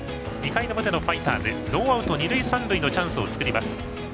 ２回の表のファイターズノーアウト、二塁三塁のチャンスを作ります。